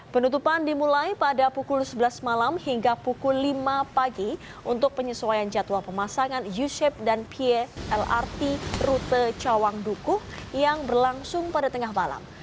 penutupan dimulai pada pukul sebelas malam hingga pukul lima pagi untuk penyesuaian jadwal pemasangan u shape dan pie lrt rute cawang dukuh yang berlangsung pada tengah malam